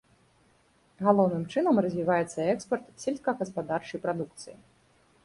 Галоўным чынам развіваецца экспарт сельскагаспадарчай прадукцыі.